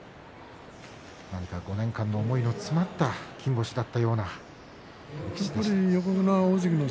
何か、５年間の思いの詰まった金星だったような取り口でした。